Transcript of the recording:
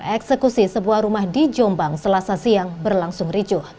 eksekusi sebuah rumah di jombang selasa siang berlangsung ricuh